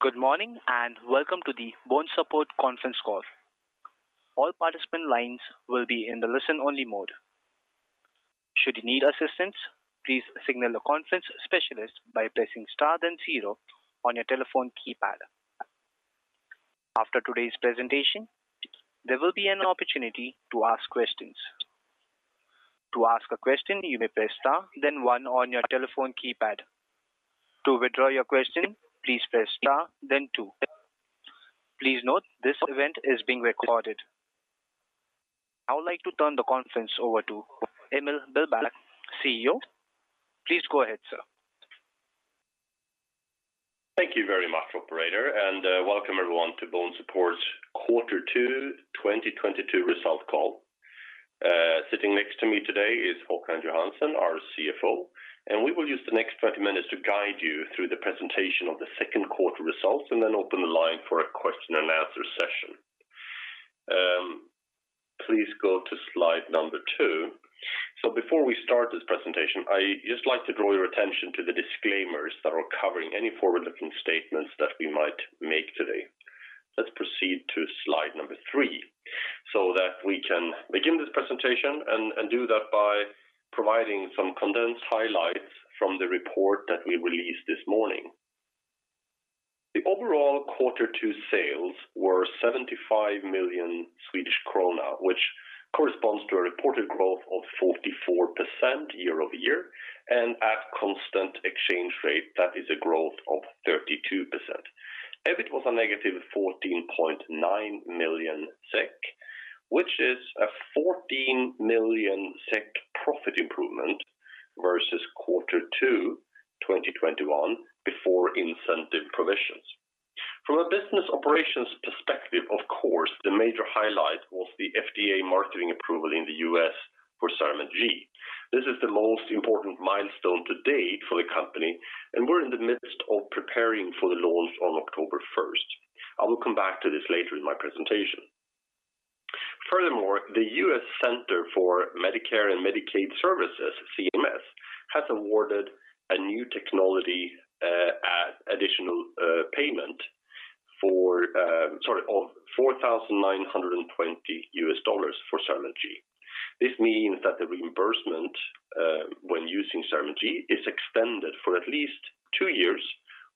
Good morning and welcome to the BONESUPPORT conference call. All participant lines will be in the listen only mode. Should you need assistance, please signal the conference specialist by pressing star then zero on your telephone keypad. After today's presentation, there will be an opportunity to ask questions. To ask a question, you may press star then one on your telephone keypad. To withdraw your question, please press star then two. Please note this event is being recorded. I would like to turn the conference over to Emil Billbäck, CEO. Please go ahead, sir. Thank you very much, operator, and welcome everyone to BONESUPPORT quarter two 2022 results call. Sitting next to me today is Håkan Johansson, our CFO, and we will use the next 20 minutes to guide you through the presentation of the second quarter results and then open the line for a question and answer session. Please go to slide number two. Before we start this presentation, I just like to draw your attention to the disclaimers that are covering any forward-looking statements that we might make today. Let's proceed to slide number three so that we can begin this presentation and do that by providing some condensed highlights from the report that we released this morning. The overall quarter two sales were 75 million Swedish krona, which corresponds to a reported growth of 44% year-over-year and at constant exchange rate, that is a growth of 32%. EBIT was a -14.9 million SEK, which is a 14 million SEK profit improvement versus quarter two 2021 before incentive provisions. From a business operations perspective, of course, the major highlight was the FDA marketing approval in the U.S. for CERAMENT G. This is the most important milestone to date for the company, and we're in the midst of preparing for the launch on October first. I will come back to this later in my presentation. Furthermore, the U.S. Centers for Medicare & Medicaid Services, CMS, has awarded a new technology add-on payment of $4,920 for CERAMENT G. This means that the reimbursement when using CERAMENT G is extended for at least two years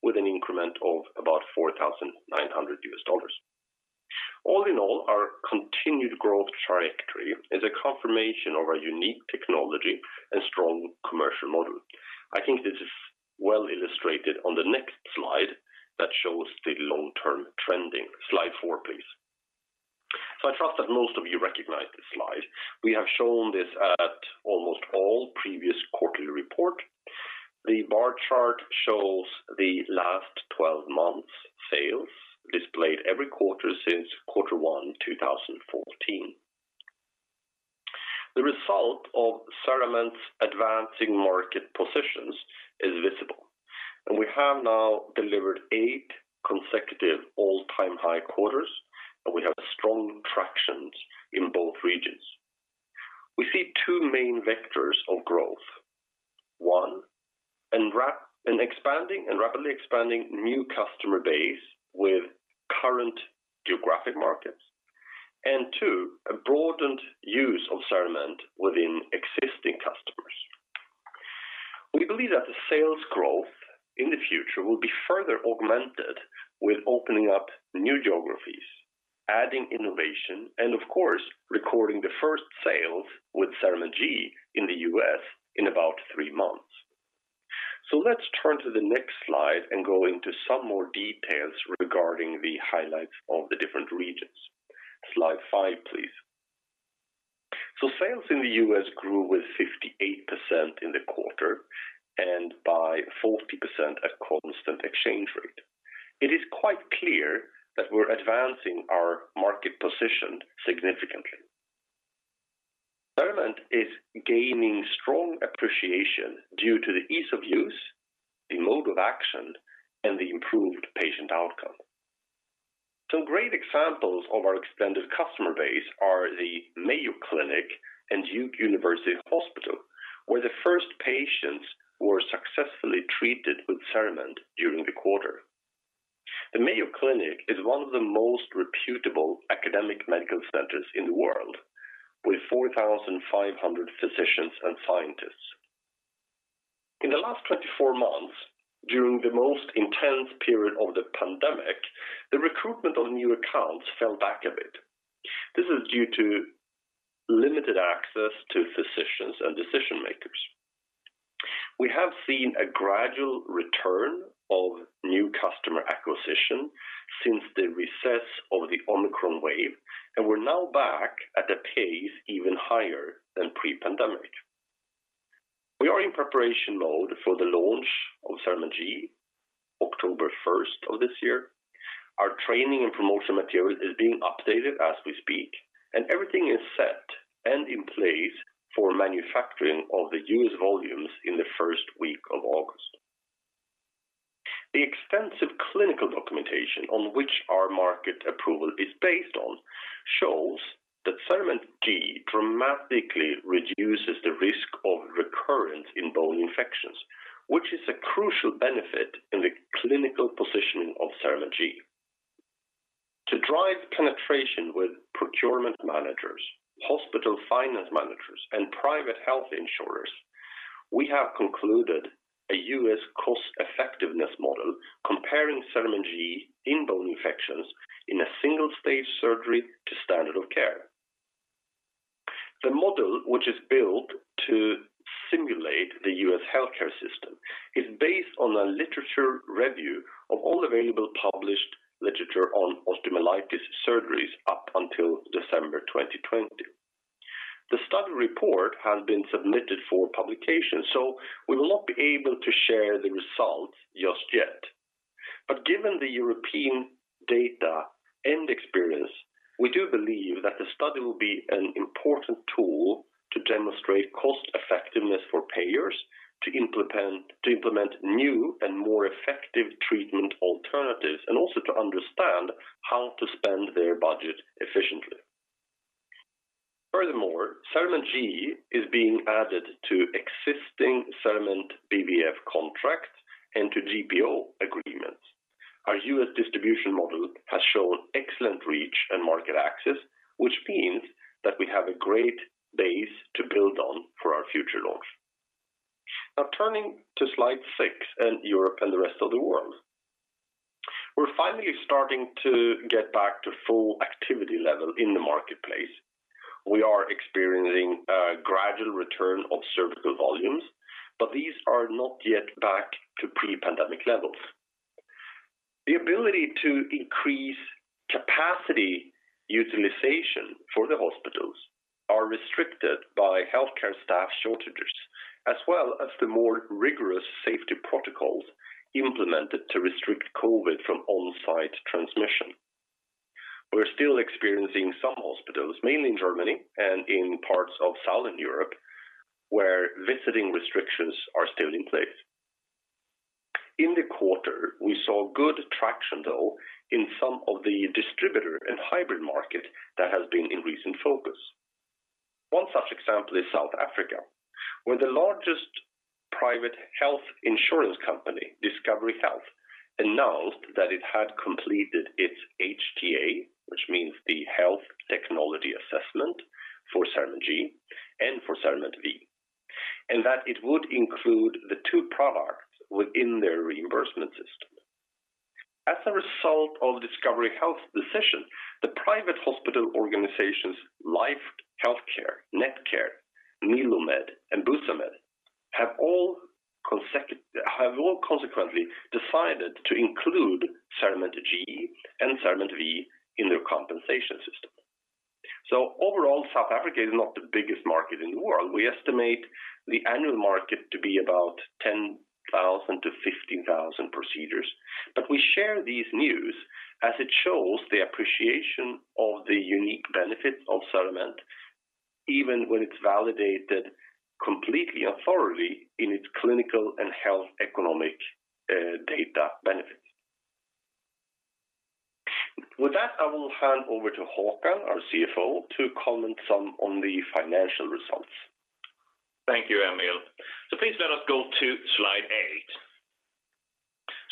with an increment of about $4,900. All in all, our continued growth trajectory is a confirmation of our unique technology and strong commercial model. I think this is well illustrated on the next slide that shows the long-term trending. Slide four, please. I trust that most of you recognize this slide. We have shown this at almost all previous quarterly report. The bar chart shows the last 12 months sales displayed every quarter since quarter one 2014. The result of CERAMENT's advancing market positions is visible, and we have now delivered eight consecutive all-time high quarters, and we have strong tractions in both regions. We see two main vectors of growth. One, an expanding and rapidly expanding new customer base with current geographic markets. Two, a broadened use of CERAMENT within existing customers. We believe that the sales growth in the future will be further augmented with opening up new geographies, adding innovation and of course, recording the first sales with CERAMENT G in the U.S. in about three months. Let's turn to the next slide and go into some more details regarding the highlights of the different regions. Slide five, please. Sales in the U.S. grew with 58% in the quarter and by 40% at constant exchange rate. It is quite clear that we're advancing our market position significantly. CERAMENT is gaining strong appreciation due to the ease of use, the mode of action, and the improved patient outcome. Some great examples of our expanded customer base are the Mayo Clinic and Duke University Hospital, where the first patients were successfully treated with CERAMENT during the quarter. The Mayo Clinic is one of the most reputable academic medical centers in the world, with 4,500 physicians and scientists. In the last 24 months, during the most intense period of the pandemic, the recruitment of new accounts fell back a bit. This is due to limited access to physicians and decision-makers. We have seen a gradual return of new customer acquisition since the recess of the Omicron wave, and we're now back at a pace even higher than pre-pandemic. We are in preparation mode for the launch of CERAMENT G, October 1 of this year. Our training and promotional material is being updated as we speak, and everything is set and in place for manufacturing of the U.S. volumes in the first week of August. The extensive clinical documentation on which our market approval is based, shows the CERAMENT G dramatically reduces the risk of recurrence in bone infections, which is a crucial benefit in the clinical positioning of CERAMENT G. To drive penetration with procurement managers, hospital finance managers, and private health insurers, we have conducted a U.S. cost-effectiveness model comparing CERAMENT G in bone infections in a single-stage surgery to standard of care. The model, which is built to simulate the U.S. healthcare system, is based on a literature review of all available published literature on osteomyelitis surgeries up until December 2020. The study report has been submitted for publication, so we will not be able to share the results just yet. Given the European data and experience, we do believe that the study will be an important tool to demonstrate cost effectiveness for payers to implement new and more effective treatment alternatives and also to understand how to spend their budget efficiently. Furthermore, CERAMENT G is being added to existing CERAMENT BVF contracts and to GPO agreements. Our U.S. distribution model has shown excellent reach and market access, which means that we have a great base to build on for our future launch. Now turning to slide six and Europe and the rest of the world. We're finally starting to get back to full activity level in the marketplace. We are experiencing a gradual return of surgical volumes, but these are not yet back to pre-pandemic levels. The ability to increase capacity utilization for the hospitals are restricted by healthcare staff shortages, as well as the more rigorous safety protocols implemented to restrict COVID from on-site transmission. We're still experiencing some hospitals, mainly in Germany and in parts of Southern Europe, where visiting restrictions are still in place. In the quarter, we saw good traction though in some of the distributor and hybrid market that has been in recent focus. One such example is South Africa, where the largest private health insurance company, Discovery Health, announced that it had completed its HTA, which means the Health Technology Assessment for CERAMENT G and for CERAMENT V, and that it would include the two products within their reimbursement system. As a result of Discovery Health decision, the private hospital organizations, Life Healthcare, Netcare, Mediclinic, and Busamed have all consequently decided to include CERAMENT G and CERAMENT V in their compensation system. Overall, South Africa is not the biggest market in the world. We estimate the annual market to be about 10,000-15,000 procedures. We share these news as it shows the appreciation of the unique benefits of CERAMENT even when it's validated completely and thoroughly in its clinical and health economic data benefit. With that, I will hand over to Håkan, our CFO, to comment some on the financial results. Thank you, Emil. Please let us go to slide 8.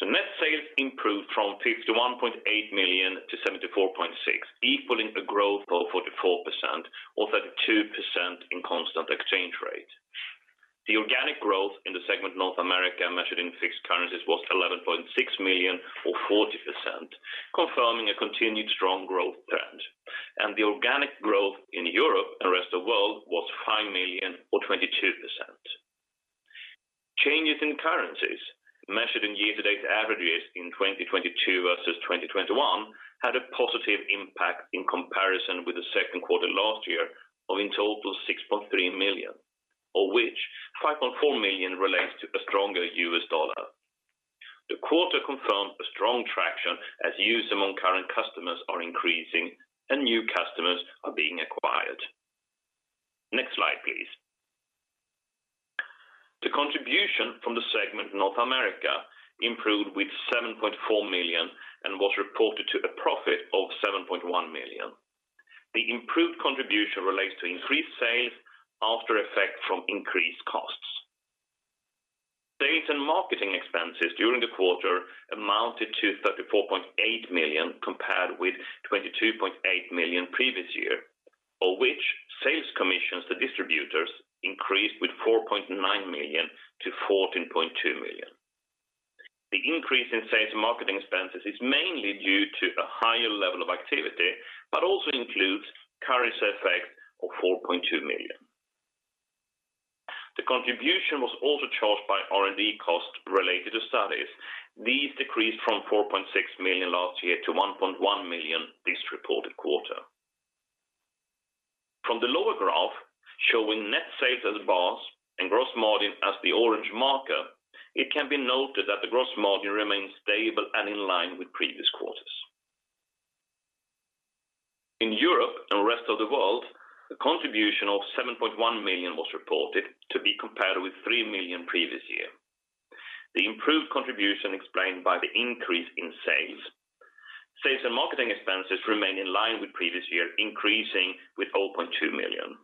Net sales improved from 51.8 million to 74.6 million, equaling a growth of 44% or 32% in constant exchange rate. The organic growth in the segment North America measured in fixed currencies was 11.6 million or 40%, confirming a continued strong growth trend. The organic growth in Europe and rest of world was 5 million or 22%. Changes in currencies measured in year-to-date averages in 2022 versus 2021 had a positive impact in comparison with the second quarter last year of in total 6.3 million, of which 5.4 million relates to a stronger US dollar. The quarter confirms a strong traction as use among current customers are increasing and new customers are being acquired. Next slide, please. The contribution from the segment North America improved with 7.4 million and was reported to a profit of 7.1 million. The improved contribution relates to increased sales offset by increased costs. Sales and marketing expenses during the quarter amounted to 34.8 million compared with 22.8 million previous year, of which sales commissions to distributors increased with 4.9 million to 14.2 million. The increase in sales and marketing expenses is mainly due to a higher level of activity, but also includes currency effect of 4.2 million. The contribution was also affected by R&D costs related to studies. These decreased from 4.6 million last year to 1.1 million this reported quarter. From the lower graph showing net sales as bars and gross margin as the orange marker, it can be noted that the gross margin remains stable and in line with previous quarters. In Europe and rest of the world, a contribution of 7.1 million was reported to be compared with 3 million previous year. The improved contribution explained by the increase in sales. Sales and marketing expenses remain in line with previous year, increasing with 0.2 million.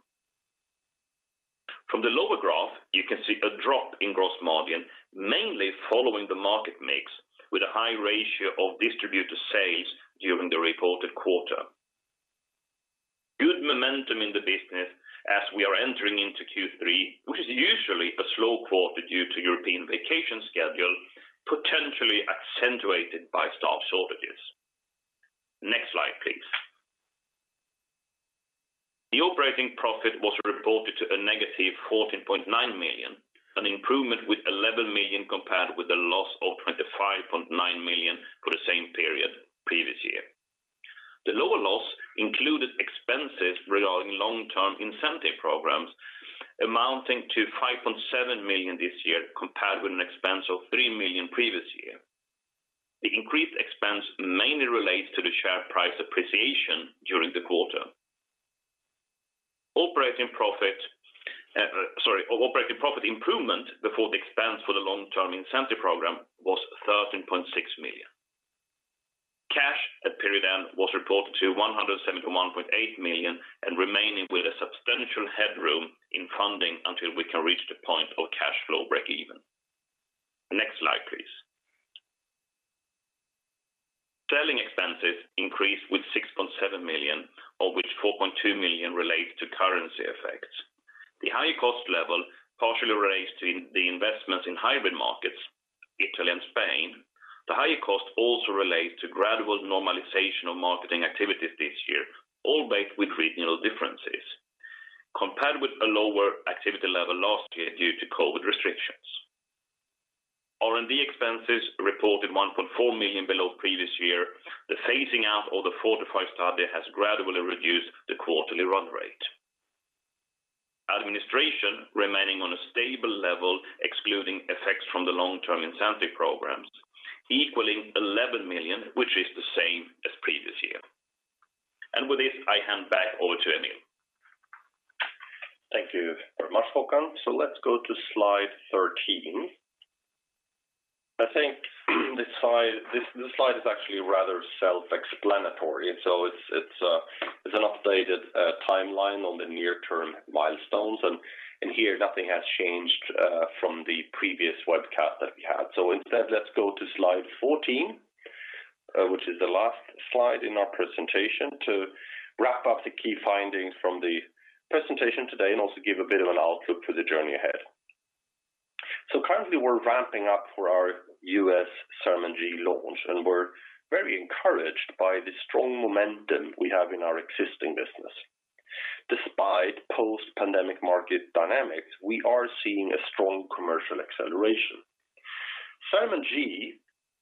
From the lower graph, you can see a drop in gross margin, mainly following the market mix with a high ratio of distributor sales during the reported quarter. Good momentum in the business as we are entering into Q3, which is usually a slow quarter due to European vacation schedule, potentially accentuated by staff shortages. Next slide, please. The operating profit was reported to -14.9 million, an improvement with 11 million compared with a loss of 25.9 million for the same period previous year. The lower loss included expenses regarding long-term incentive programs amounting to 5.7 million this year, compared with an expense of 3 million previous year. The increased expense mainly relates to the share price appreciation during the quarter. Operating profit improvement before the expense for the long-term incentive program was 13.6 million. Cash at period end was reported to 171.8 million and remaining with a substantial headroom in funding until we can reach the point of cash flow break-even. Next slide, please. Selling expenses increased with 6.7 million, of which 4.2 million relate to currency effects. The higher cost level partially relates to the investments in hybrid markets, Italy and Spain. The higher cost also relates to gradual normalization of marketing activities this year, albeit with regional differences, compared with a lower activity level last year due to COVID restrictions. R&D expenses reported 1.4 million below previous year. The phasing out of the FORTIFY study has gradually reduced the quarterly run rate. Administration remaining on a stable level, excluding effects from the long-term incentive programs, equaling 11 million, which is the same as previous year. With this, I hand back over to Emil. Thank you very much, Håkan. Let's go to slide 13. I think this slide is actually rather self-explanatory. It's an updated timeline on the near-term milestones. Here nothing has changed from the previous webcast that we had. Instead let's go to slide 14, which is the last slide in our presentation, to wrap up the key findings from the presentation today and also give a bit of an outlook for the journey ahead. Currently we're ramping up for our U.S. CERAMENT G launch, and we're very encouraged by the strong momentum we have in our existing business. Despite post-pandemic market dynamics, we are seeing a strong commercial acceleration. CERAMENT G,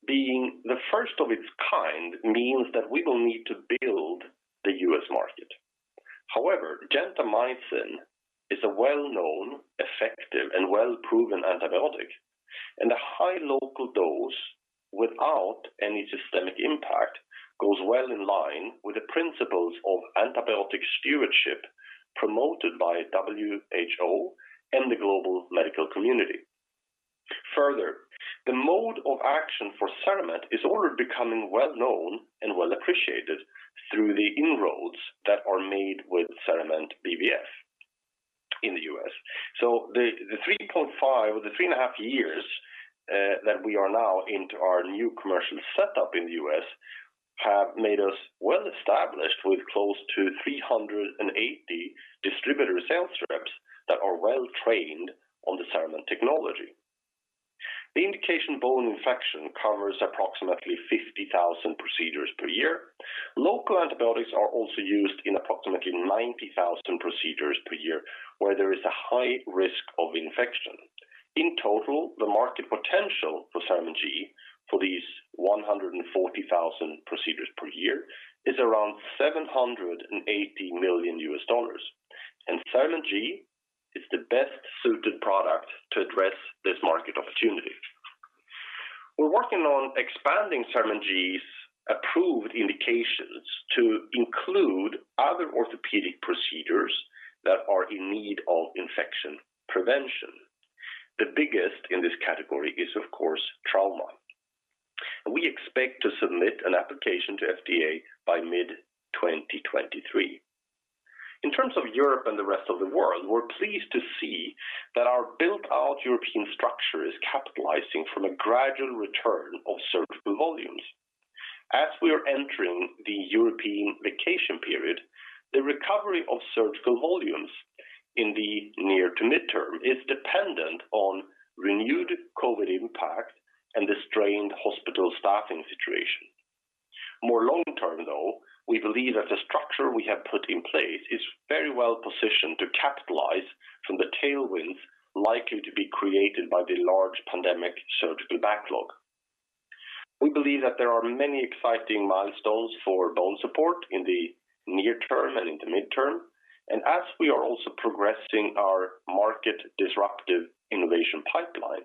being the first of its kind, means that we will need to build the U.S. market. However, gentamicin is a well-known, effective, and well-proven antibiotic, and a high local dose without any systemic impact goes well in line with the principles of antibiotic stewardship promoted by WHO and the global medical community. Further, the mode of action for CERAMENT is already becoming well-known and well appreciated through the inroads that are made with CERAMENT BVF in the U.S.. The 3.5 years that we are now into our new commercial setup in the U.S. have made us well established with close to 380 distributor sales reps that are well trained on the CERAMENT technology. The indication bone infection covers approximately 50,000 procedures per year. Local antibiotics are also used in approximately 90,000 procedures per year where there is a high risk of infection. In total, the market potential for CERAMENT G for these 140,000 procedures per year is around $780 million. CERAMENT G is the best-suited product to address this market opportunity. We're working on expanding CERAMENT G's approved indications to include other orthopedic procedures that are in need of infection prevention. The biggest in this category is, of course, trauma. We expect to submit an application to FDA by mid-2023. In terms of Europe and the rest of the world, we're pleased to see that our built-out European structure is capitalizing from a gradual return of surgical volumes. As we are entering the European vacation period, the recovery of surgical volumes in the near to mid-term is dependent on renewed COVID impact and the strained hospital staffing situation. More long-term, though, we believe that the structure we have put in place is very well positioned to capitalize from the tailwinds likely to be created by the large pandemic surgical backlog. We believe that there are many exciting milestones for BONESUPPORT in the near term and in the mid-term. As we are also progressing our market disruptive innovation pipeline,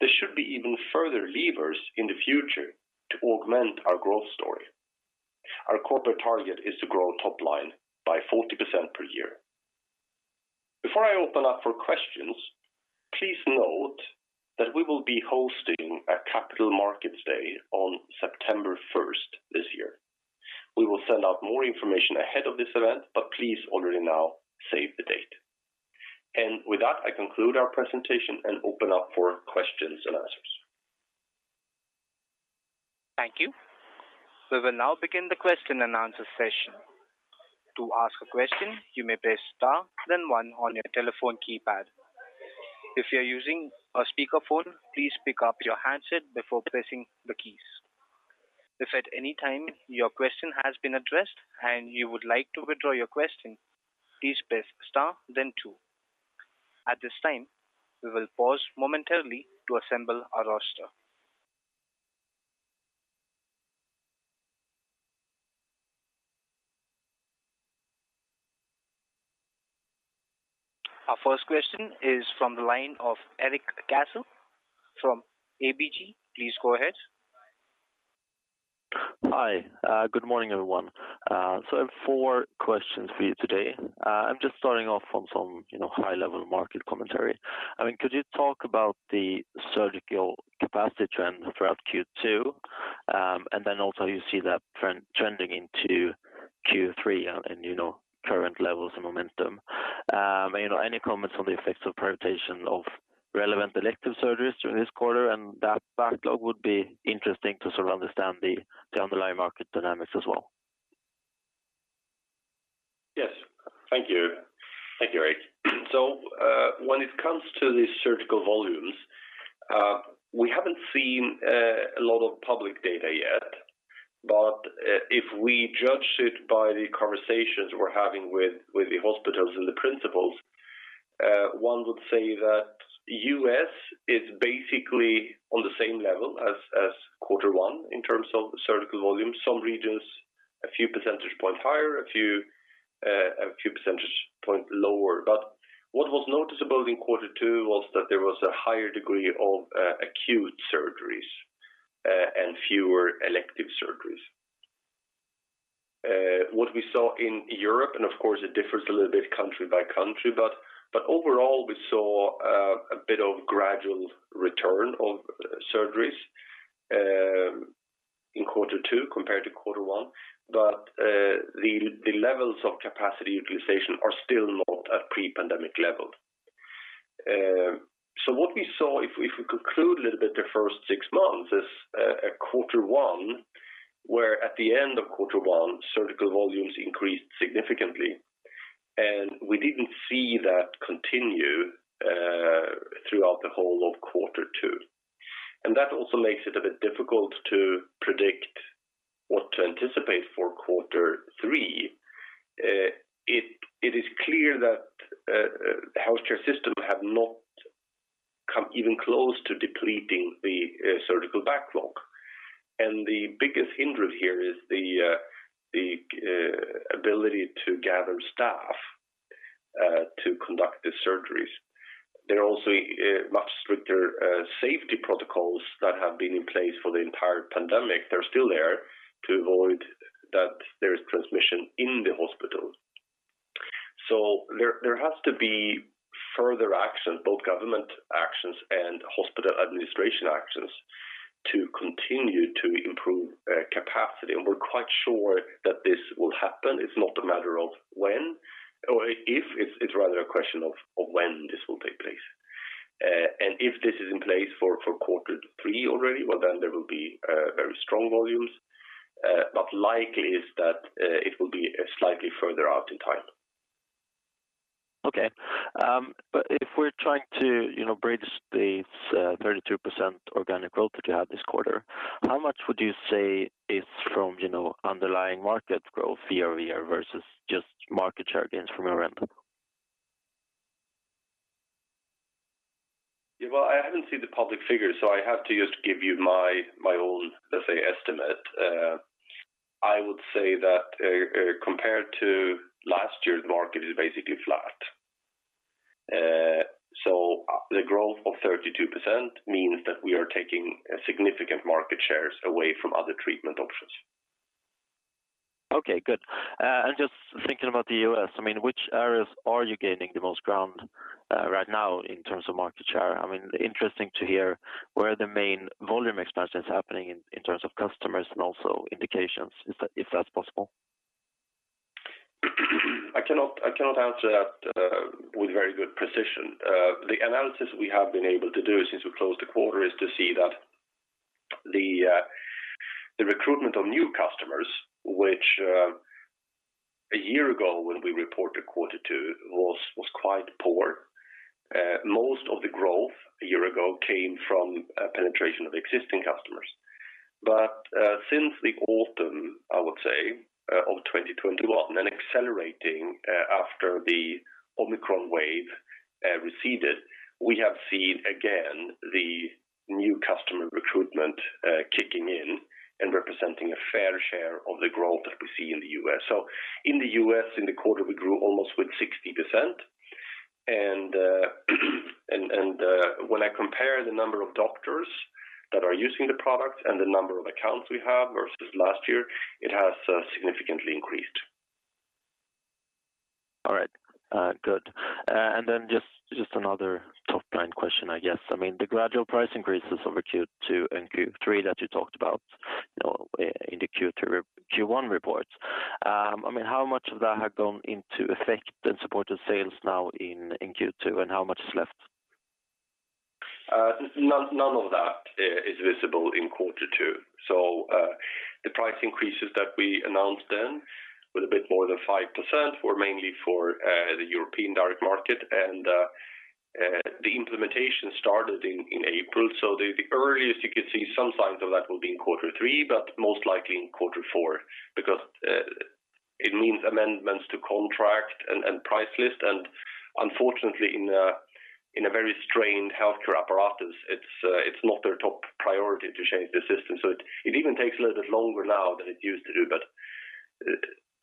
there should be even further levers in the future to augment our growth story. Our corporate target is to grow top line by 40% per year. Before I open up for questions, please note that we will be hosting a Capital Markets Day on September 1st this year. We will send out more information ahead of this event, but please already now save the date. With that, I conclude our presentation and open up for questions and answers. Thank you. We will now begin the question and answer session. To ask a question, you may press star then one on your telephone keypad. If you're using a speakerphone, please pick up your handset before pressing the keys. If at any time your question has been addressed and you would like to withdraw your question, please press star then two. At this time, we will pause momentarily to assemble our roster. Our first question is from the line of Erik Cassel from ABG. Please go ahead. Hi. Good morning, everyone. I have four questions for you today. I'm just starting off on some, you know, high-level market commentary. I mean, could you talk about the surgical capacity trend throughout Q2, and then also you see that trend, trending into Q3 and you know, current levels of momentum. You know, any comments on the effects of prioritization of relevant elective surgeries during this quarter and that backlog would be interesting to sort of understand the underlying market dynamics as well. Yes. Thank you. Thank you, Erik. When it comes to the surgical volumes, we haven't seen a lot of public data yet. If we judge it by the conversations we're having with the hospitals and the principals, one would say that U.S. is basically on the same level as quarter one in terms of surgical volume. Some regions, a few percentage points higher, a few percentage points lower. What was noticeable in quarter two was that there was a higher degree of acute surgeries and fewer elective surgeries. What we saw in Europe, and of course, it differs a little bit country by country, but overall, we saw a bit of gradual return of surgeries in quarter two compared to quarter one. The levels of capacity utilization are still not at pre-pandemic level. What we saw, if we conclude a little bit the first six months is a quarter one, where at the end of quarter one, surgical volumes increased significantly. We didn't see that continue throughout the whole of quarter two. That also makes it a bit difficult to predict what to anticipate for quarter three. It is clear that the healthcare system have not come even close to depleting the surgical backlog. The biggest hindrance here is the ability to gather staff to conduct the surgeries. There are also much stricter safety protocols that have been in place for the entire pandemic. They're still there to avoid that there is transmission in the hospital. There has to be further action, both government actions and hospital administration actions to continue to improve capacity. We're quite sure that this will happen. It's not a matter of when or if, it's rather a question of when this will take place. If this is in place for quarter three already, well, then there will be very strong volumes. Likely is that it will be slightly further out in time. Okay. If we're trying to, you know, bridge the 32% organic growth that you had this quarter, how much would you say is from, you know, underlying market growth year-over-year versus just market share gains from a rental? Well, I haven't seen the public figures, so I have to just give you my own, let's say, estimate. I would say that compared to last year's market is basically flat. The growth of 32% means that we are taking significant market shares away from other treatment options. Okay, good. Just thinking about the U.S., I mean, which areas are you gaining the most ground right now in terms of market share? I mean, interesting to hear where the main volume expansion is happening in terms of customers and also indications, if that's possible. I cannot answer that with very good precision. The analysis we have been able to do since we closed the quarter is to see that the recruitment of new customers, which a year ago when we reported quarter two was quite poor. Most of the growth a year ago came from penetration of existing customers. Since the autumn, I would say, of 2021 and accelerating after the Omicron wave receded, we have seen again the new customer recruitment kicking in and representing a fair share of the growth that we see in the U.S.. In the U.S., in the quarter, we grew almost with 60%. When I compare the number of doctors that are using the product and the number of accounts we have versus last year, it has significantly increased. All right. Good. Just another top-line question, I guess. I mean, the gradual price increases over Q2 and Q3 that you talked about, you know, in the Q1 report. I mean, how much of that had gone into effect and supported sales now in Q2, and how much is left? None of that is visible in quarter two. The price increases that we announced then were a bit more than 5%, were mainly for the European direct market and the implementation started in April. The earliest you could see some signs of that will be in quarter three, but most likely in quarter four, because it means amendments to contract and price list, and unfortunately in a very strained healthcare apparatus, it's not their top priority to change the system. It even takes a little bit longer now than it used to do.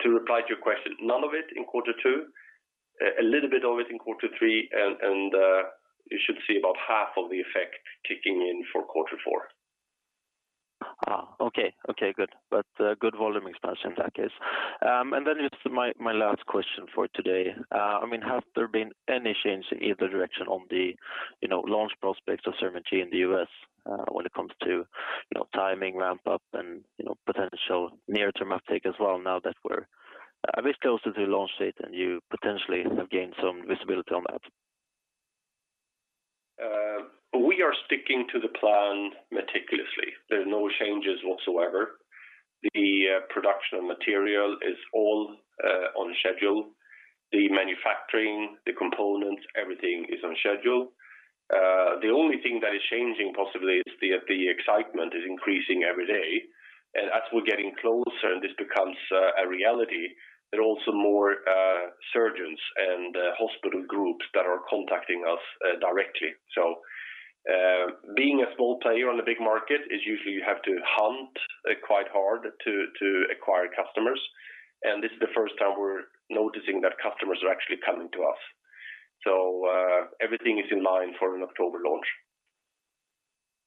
To reply to your question, none of it in quarter two, a little bit of it in quarter three and you should see about half of the effect kicking in for quarter four. Okay. Okay, good. Good volume expansion in that case. Then just my last question for today. I mean, have there been any change in either direction on the, you know, launch prospects of CERAMENT G in the U.S., when it comes to, you know, timing, ramp up and, you know, potential near-term uptake as well now that we're a bit closer to launch date and you potentially have gained some visibility on that? We are sticking to the plan meticulously. There's no changes whatsoever. The production material is all on schedule. The manufacturing, the components, everything is on schedule. The only thing that is changing possibly is the excitement is increasing every day. As we're getting closer and this becomes a reality, there are also more surgeons and hospital groups that are contacting us directly. Being a small player on the big market is usually you have to hunt quite hard to acquire customers. This is the first time we're noticing that customers are actually coming to us. Everything is in line for an October launch.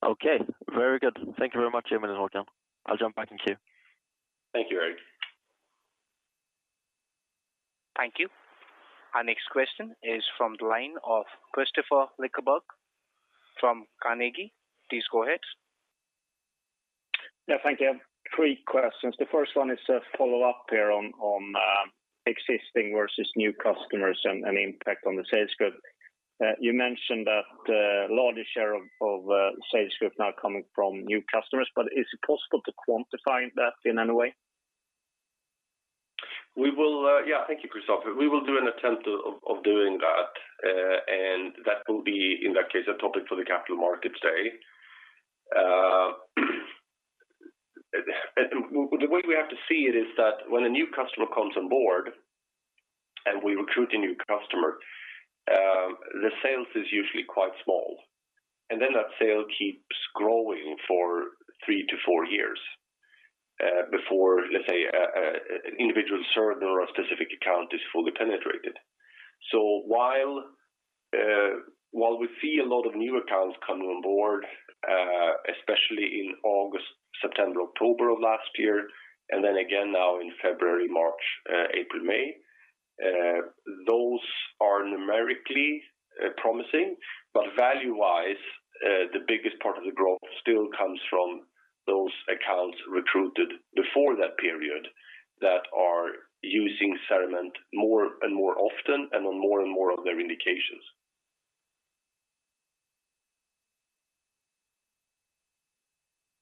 Okay. Very good. Thank you very much, Emil Billbäck. I'll jump back in queue. Thank you, Erik. Thank you. Our next question is from the line of Kristofer Liljeberg from Carnegie. Please go ahead. Yeah, thank you. Three questions. The first one is a follow-up here on existing versus new customers and impact on the sales group. You mentioned that a larger share of sales group now coming from new customers, but is it possible to quantify that in any way? Thank you, Kristofer. We will do an attempt of doing that, and that will be, in that case, a topic for the capital markets day. The way we have to see it is that when a new customer comes on board and we recruit a new customer, the sales is usually quite small. Then that sale keeps growing for three to four years, before, let's say, a individual surgeon or a specific account is fully penetrated. While we see a lot of new accounts coming on board, especially in August, September, October of last year, and then again now in February, March, April, May, those are numerically promising, but value-wise, the biggest part of the growth still comes from those accounts recruited before that period that are using CERAMENT more and more often and on more and more of their indications.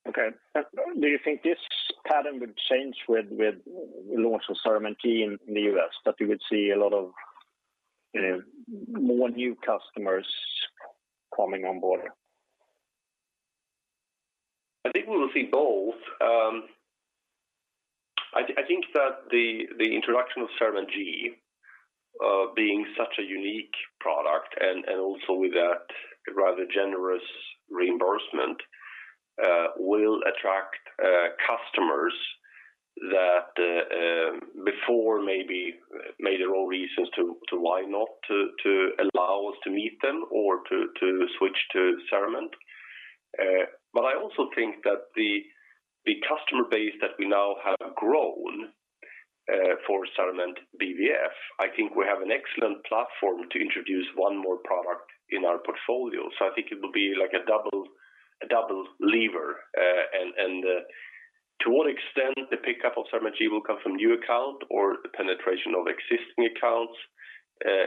Okay. Do you think this pattern would change with launch of CERAMENT G in the U.S., that you would see a lot of, you know, more new customers coming on board? I think we will see both. I think that the introduction of CERAMENT G, being such a unique product and also with that rather generous reimbursement, will attract customers that before maybe made their own reasons to why not to allow us to meet them or to switch to CERAMENT. I also think that the customer base that we now have grown for CERAMENT BVF, I think we have an excellent platform to introduce one more product in our portfolio. I think it will be like a double lever. To what extent the pickup of CERAMENT G will come from new account or the penetration of existing accounts,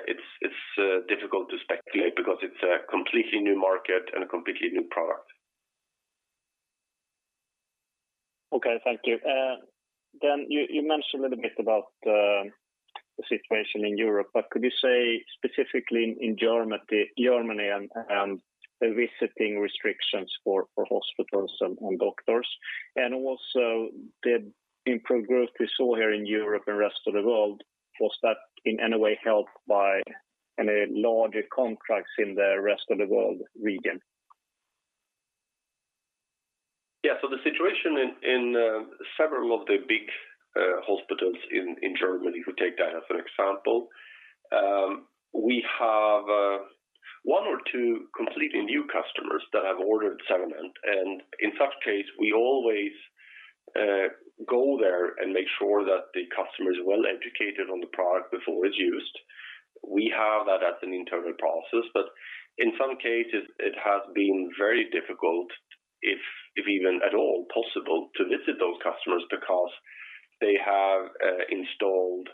it's difficult to speculate because it's a completely new market and a completely new product. Okay. Thank you. You mentioned a little bit about the situation in Europe, but could you say specifically in Germany and the visiting restrictions for hospitals and doctors? Also the improved growth we saw here in Europe and rest of the world, was that in any way helped by any larger contracts in the rest of the world region? In several of the big hospitals in Germany, if we take that as an example, we have one or two completely new customers that have ordered CERAMENT. In such case, we always go there and make sure that the customer is well-educated on the product before it's used. We have that as an internal process. In some cases it has been very difficult, if even at all possible, to visit those customers because they have installed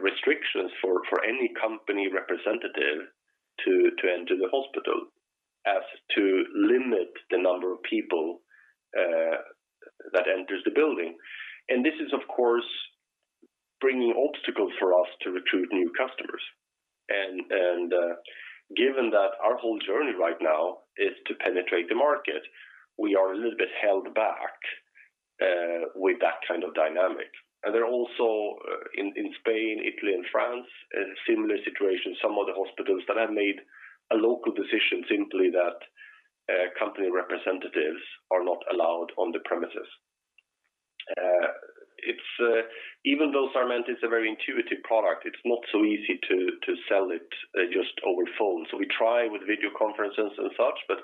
restrictions for any company representative to enter the hospital as to limit the number of people that enters the building. This is, of course, bringing obstacles for us to recruit new customers. Given that our whole journey right now is to penetrate the market, we are a little bit held back with that kind of dynamic. They're also in Spain, Italy and France, a similar situation. Some of the hospitals that have made a local decision simply that company representatives are not allowed on the premises. It's even though CERAMENT is a very intuitive product, it's not so easy to sell it just over phone. We try with video conferences and such, but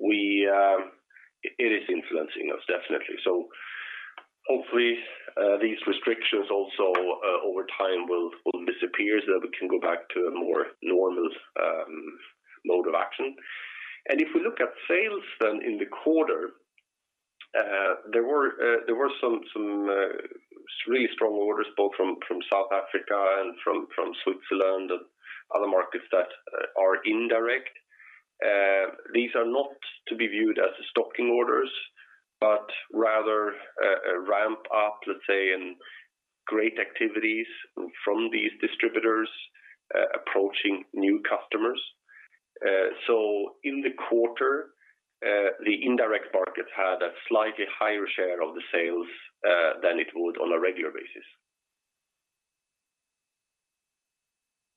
it is influencing us, definitely. Hopefully, these restrictions also over time will disappear so that we can go back to a more normal mode of action. If we look at sales then in the quarter, there were some three strong orders both from South Africa and from Switzerland and other markets that are indirect. These are not to be viewed as stocking orders, but rather a ramp up, let's say, and great activities from these distributors approaching new customers. In the quarter, the indirect markets had a slightly higher share of the sales than it would on a regular basis.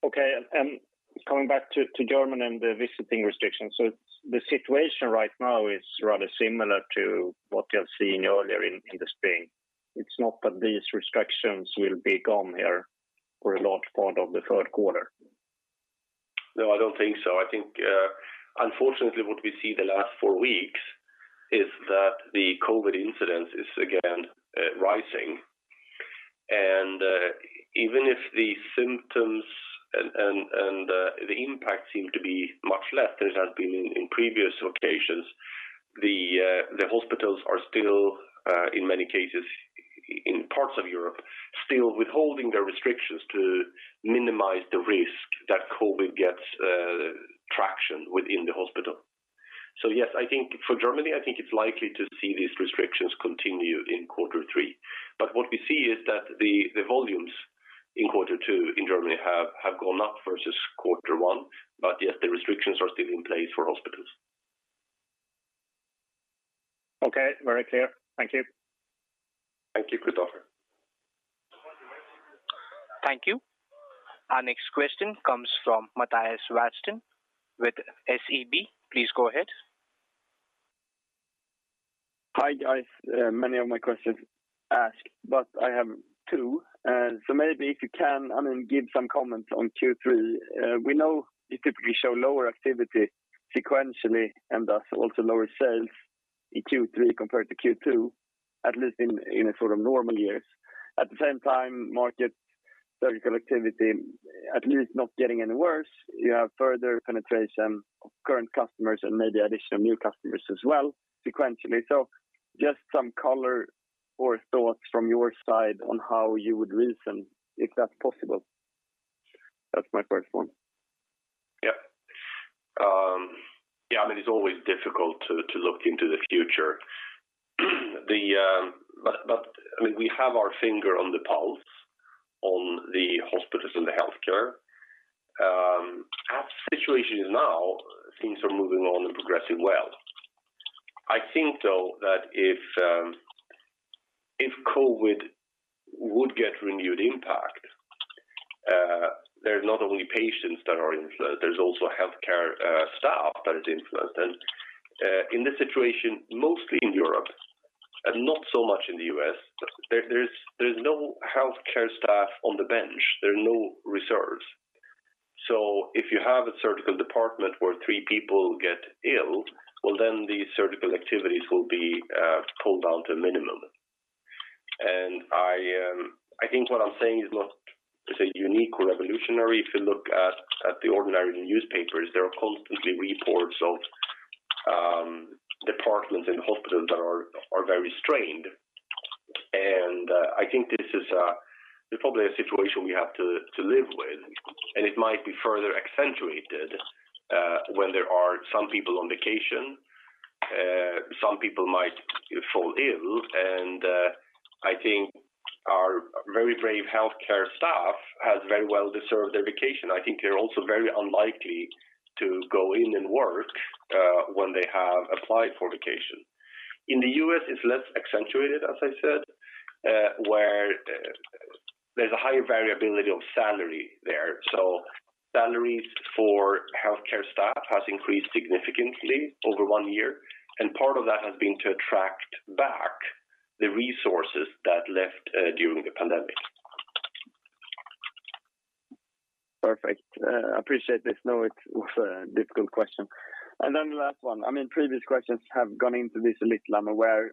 Okay. Coming back to Germany and the visiting restrictions. The situation right now is rather similar to what you have seen earlier in the spring. It's not that these restrictions will be gone here for a large part of the third quarter. No, I don't think so. I think, unfortunately, what we see the last four weeks is that the COVID incidence is again rising. Even if the symptoms and the impact seem to be much less than it has been in previous occasions, the hospitals are still, in many cases in parts of Europe, still withholding their restrictions to minimize the risk that COVID gets traction within the hospital. Yes, I think for Germany, I think it's likely to see these restrictions continue in quarter three. What we see is that the volumes in quarter two in Germany have gone up versus quarter one. Yes, the restrictions are still in place for hospitals. Okay. Very clear. Thank you. Thank you, Kristofer. Thank you. Our next question comes from Mattias Vadsten with SEB. Please go ahead. Hi, guys. Many of my questions asked, but I have two. Maybe if you can, I mean, give some comments on Q3. We know you typically show lower activity sequentially and thus also lower sales in Q3 compared to Q2, at least in a sort of normal years. At the same time, market surgical activity at least not getting any worse. You have further penetration of current customers and maybe addition of new customers as well sequentially. Just some color or thoughts from your side on how you would reason, if that's possible. That's my first one. Yeah. Yeah, I mean, it's always difficult to look into the future. I mean, we have our finger on the pulse on the hospitals and the healthcare. As the situation is now, things are moving on and progressing well. I think though, that if COVID would get renewed impact, there's not only patients that are influenced, there's also healthcare staff that is influenced. In this situation, mostly in Europe and not so much in the U.S., there's no healthcare staff on the bench. There are no reserves. If you have a surgical department where three people get ill, well, then the surgical activities will be pulled down to a minimum. I think what I'm saying is not to say unique or revolutionary. If you look at the ordinary newspapers, there are constantly reports of departments and hospitals that are very strained. I think this is probably a situation we have to live with, and it might be further accentuated when there are some people on vacation, some people might fall ill. I think our very brave healthcare staff has very well deserved their vacation. I think they're also very unlikely to go in and work when they have applied for vacation. In the U.S., it's less accentuated, as I said, where there is a higher variability of salary there. Salaries for healthcare staff has increased significantly over one year, and part of that has been to attract back the resources that left during the pandemic. Perfect. I appreciate this. I know it was a difficult question. The last one, I mean, previous questions have gone into this a little, I'm aware.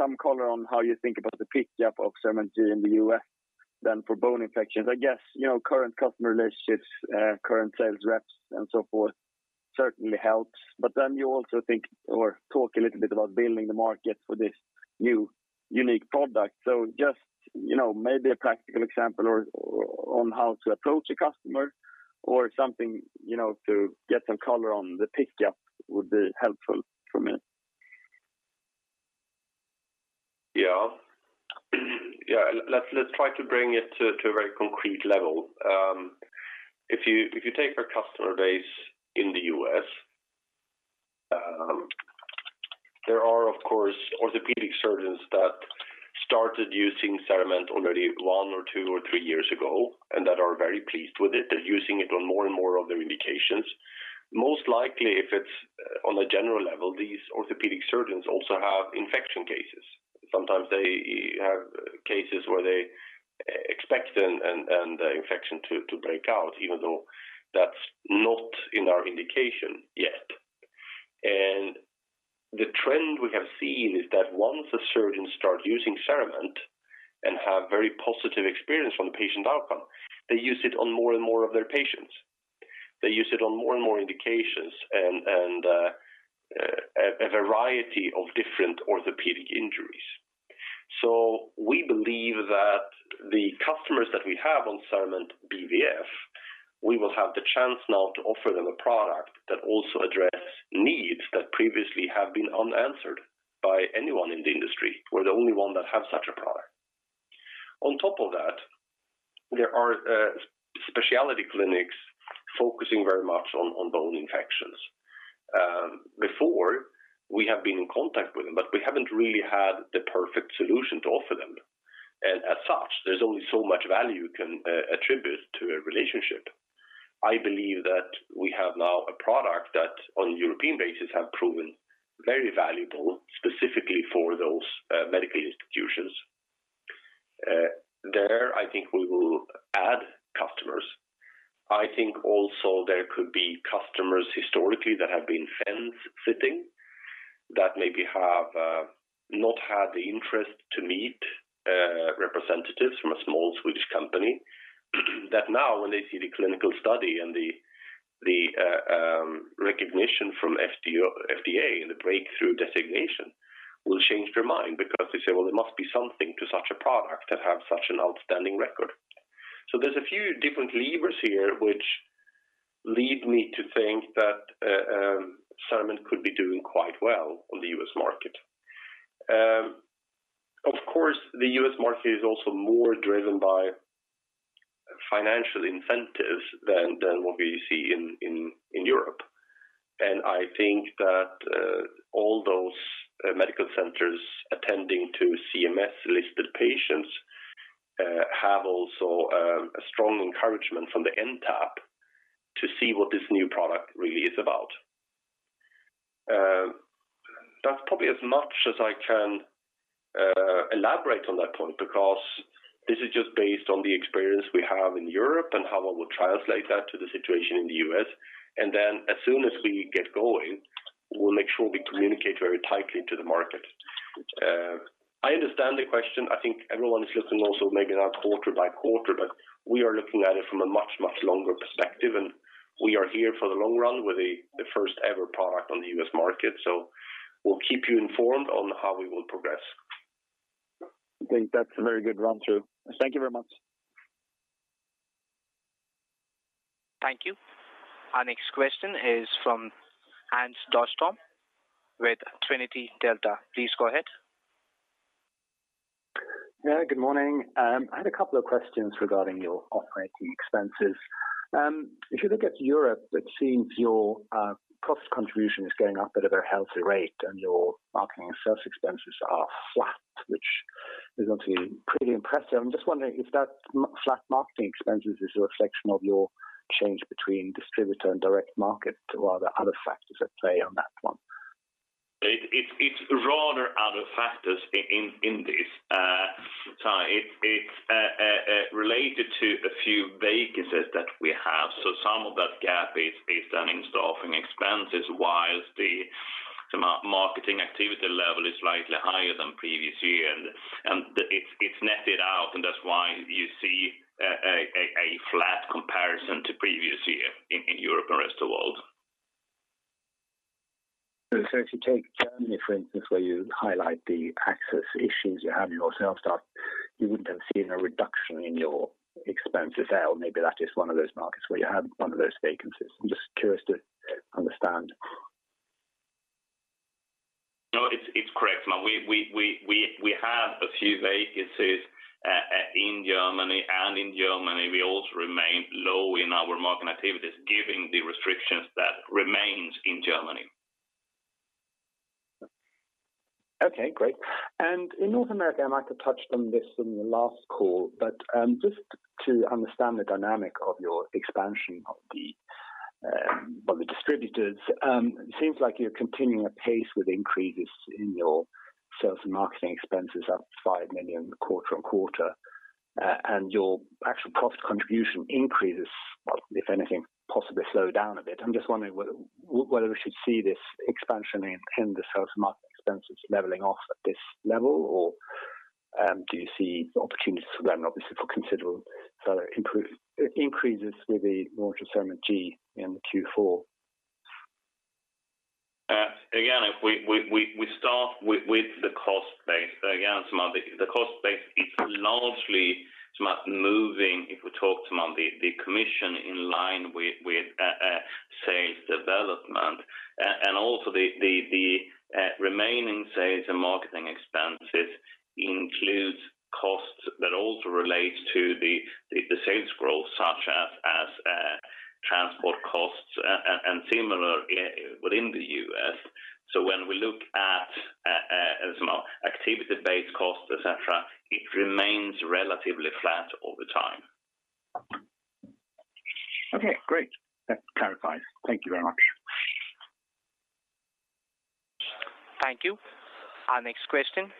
Some color on how you think about the pick-up of CERAMENT in the U.S. then for bone infections. I guess, you know, current customer relationships, current sales reps and so forth certainly helps. You also think or talk a little bit about building the market for this new unique product. Just, you know, maybe a practical example or on how to approach a customer or something, you know, to get some color on the pick-up would be helpful for me. Yeah. Let's try to bring it to a very concrete level. If you take our customer base in the U.S., there are, of course, orthopedic surgeons that started using CERAMENT already one or two or three years ago, and that are very pleased with it. They're using it on more and more of their indications. Most likely, if it's on a general level, these orthopedic surgeons also have infection cases. Sometimes they have cases where they expect an infection to break out, even though that's not in our indication yet. The trend we have seen is that once a surgeon starts using CERAMENT and have very positive experience from the patient outcome, they use it on more and more of their patients. They use it on more and more indications and a variety of different orthopedic injuries. We believe that the customers that we have on CERAMENT BVF, we will have the chance now to offer them a product that also address needs that previously have been unanswered by anyone in the industry. We're the only one that have such a product. On top of that, there are specialty clinics focusing very much on bone infections. Before we have been in contact with them, but we haven't really had the perfect solution to offer them. As such, there's only so much value you can attribute to a relationship. I believe that we have now a product that on European basis have proven very valuable specifically for those medical institutions. I think we will add customers. I think also there could be customers historically that have been fence sitting that maybe have not had the interest to meet representatives from a small Swedish company that now when they see the clinical study and the recognition from FDA and the breakthrough designation will change their mind because they say, "Well, there must be something to such a product that have such an outstanding record." There's a few different levers here which lead me to think that CERAMENT could be doing quite well on the U.S. market. Of course, the U.S. market is also more driven by financial incentives than what we see in Europe. I think that all those medical centers attending to CMS-listed patients have also a strong encouragement from the NTAP to see what this new product really is about. That's probably as much as I can elaborate on that point because this is just based on the experience we have in Europe and how I will translate that to the situation in the U.S. As soon as we get going, we'll make sure we communicate very tightly to the market. I understand the question. I think everyone is looking also maybe not quarter by quarter, but we are looking at it from a much, much longer perspective, and we are here for the long run. We're the first ever product on the U.S. market. We'll keep you informed on how we will progress. I think that's a very good run through. Thank you very much. Thank you. Our next question is from Hans Boström with Trinity Delta. Please go ahead. Yeah, good morning. I had a couple of questions regarding your operating expenses. If you look at Europe, it seems your cost contribution is going up at a very healthy rate and your marketing and sales expenses are flat, which is actually pretty impressive. I'm just wondering if that flat marketing expenses is a reflection of your change between distributor and direct market or are there other factors at play on that one? It's rather other factors in this. It's related to a few vacancies that we have. Some of that gap is based on installation expenses while the marketing activity level is slightly higher than previous year. It's netted out, and that's why you see a flat comparison to previous year in Europe and rest of world. If you take Germany, for instance, where you highlight the access issues you have in your sales staff, you wouldn't have seen a reduction in your expenses there. Maybe that is one of those markets where you had one of those vacancies. I'm just curious to understand. No, it's correct. No, we had a few vacancies in Germany, and in Germany we also remained low in our marketing activities given the restrictions that remains in Germany. Okay, great. In North America, I might have touched on this in the last call, but just to understand the dynamic of your expansion of the, well, the distributors, it seems like you're continuing apace with increases in your sales and marketing expenses up 5 million quarter-on-quarter. Your actual profit contribution increases, if anything, possibly slow down a bit. I'm just wondering whether we should see this expansion in the sales and marketing expenses leveling off at this level or do you see opportunities for them obviously for considerable further increases with the launch of CERAMENT G in the Q4? Again, if we start with the cost base. Again, some of the cost base is largely some of moving, if we talk to some of the commission in line with sales development. And also, the remaining sales and marketing expenses includes costs that also relates to the sales growth such as transport costs and similar within the U.S. When we look at some activity-based costs, et cetera, it remains relatively flat over time. Okay, great. That clarifies. Thank you very much. Thank you. Our next question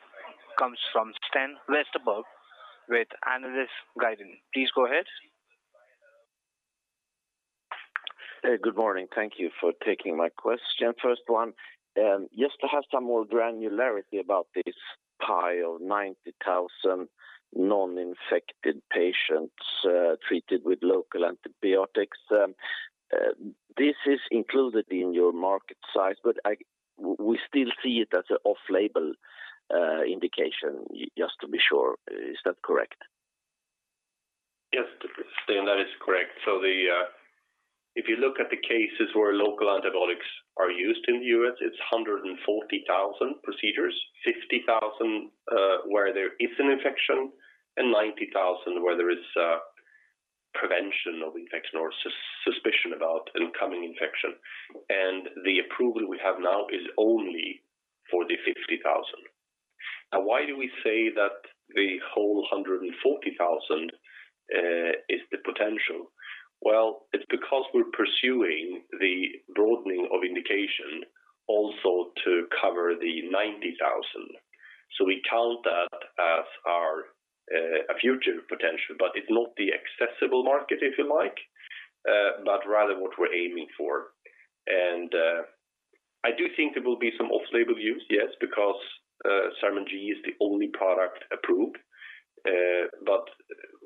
comes from Sten Westerberg with Analysguiden. Please go ahead. Good morning. Thank you for taking my question. First one, just to have some more granularity about this pool of 90,000 non-infected patients treated with local antibiotics. This is included in your market size, but we still see it as an off-label indication. Just to be sure, is that correct? Yes, Sten, that is correct. If you look at the cases where local antibiotics are used in the U.S., it's 140,000 procedures, 50,000 where there is an infection and 90,000 where there is prevention of infection or suspicion about incoming infection. The approval we have now is only for the 50,000. Now why do we say that the whole 140,000 is the potential? Well, it's because we're pursuing the broadening of indication also to cover the 90,000. We count that as our future potential, but it's not the accessible market if you like, but rather what we're aiming for. I do think there will be some off-label use, yes, because CERAMENT G is the only product approved.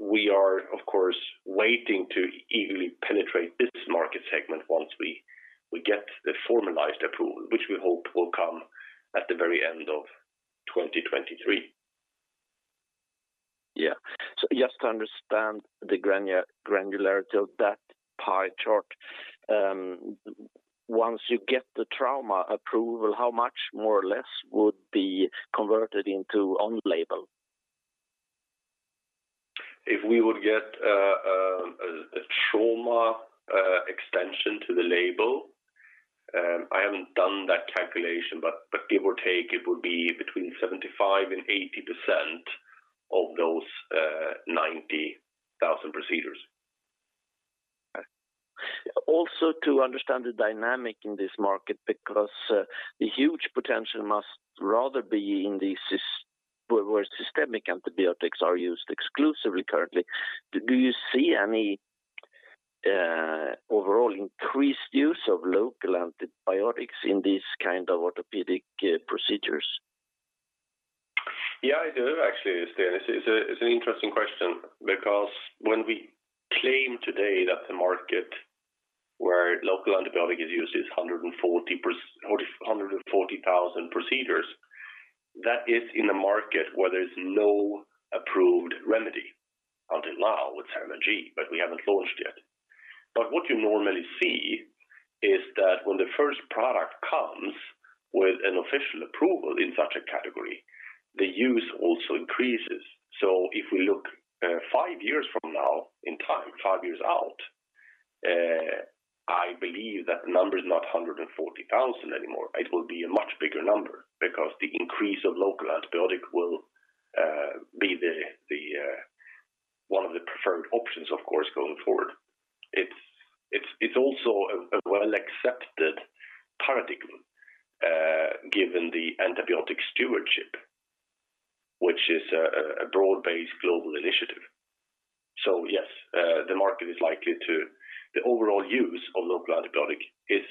We are of course waiting to evenly penetrate this market segment once we get the formalized approval, which we hope will come at the very end of 2023. Just to understand the granularity of that pie chart, once you get the trauma approval, how much more or less would be converted into on-label? If we would get a trauma extension to the label, I haven't done that calculation but give or take it would be between 75% and 80% of those 90,000 procedures. Also to understand the dynamic in this market because the huge potential must rather be in the system where systemic antibiotics are used exclusively currently. Do you see any overall increased use of local antibiotics in these kind of orthopedic procedures? Yeah, I do actually, Sten. It's an interesting question because when we claim today that the market where local antibiotic is used is 140,000 procedures, that is in a market where there's no approved remedy until now with CERAMENT G, but we haven't launched yet. What you normally see is that when the first product comes with an official approval in such a category, the use also increases. If we look, five years from now in time, five years out, I believe that the number is not 140,000 anymore. It will be a much bigger number because the increase of local antibiotic will be the one of the preferred options of course going forward. It's also a well-accepted paradigm, given the antibiotic stewardship, which is a broad-based global initiative. Yes, the overall use of local antibiotic is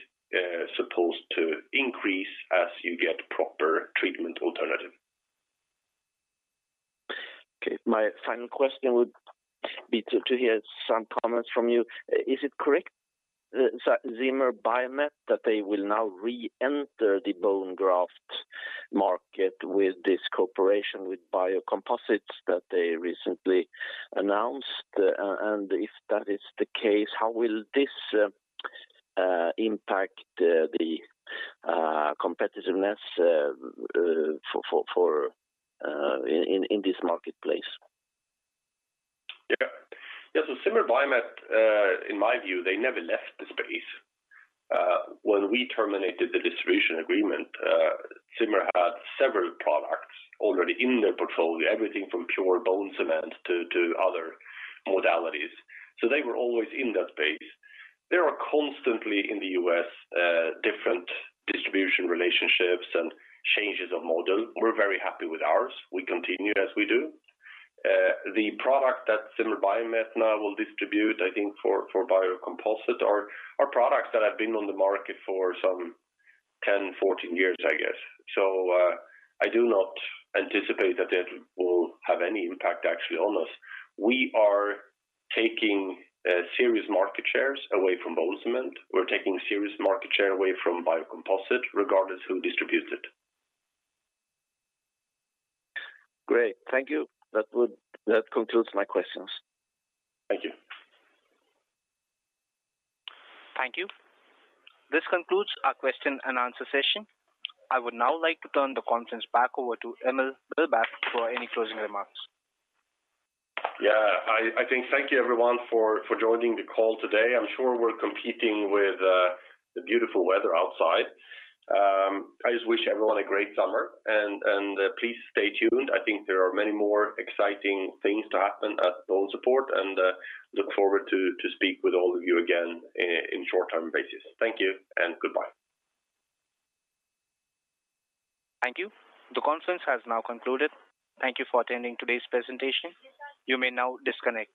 supposed to increase as you get proper treatment alternative. Okay. My final question would be to hear some comments from you. Is it correct that Zimmer Biomet will now re-enter the bone graft market with this cooperation with Biocomposites that they recently announced? If that is the case, how will this impact the competitiveness for in this marketplace? Zimmer Biomet, in my view, they never left the space. When we terminated the distribution agreement, Zimmer had several products already in their portfolio, everything from pure bone cement to other modalities. They were always in that space. There are constantly in the U.S. different distribution relationships and changes of model. We're very happy with ours. We continue as we do. The product that Zimmer Biomet now will distribute, I think for Biocomposites are products that have been on the market for some 10, 14 years I guess. I do not anticipate that it will have any impact actually on us. We are taking serious market shares away from bone cement. We're taking serious market share away from Biocomposites regardless who distributes it. Great. Thank you. That concludes my questions. Thank you. Thank you. This concludes our question and answer session. I would now like to turn the conference back over to Emil Billbäck for any closing remarks. Yeah. I think thank you everyone for joining the call today. I'm sure we're competing with the beautiful weather outside. I just wish everyone a great summer and please stay tuned. I think there are many more exciting things to happen at BONESUPPORT and look forward to speak with all of you again in short-term basis. Thank you and goodbye. Thank you. The conference has now concluded. Thank you for attending today's presentation. You may now disconnect.